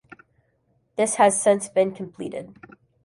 This has since been completed.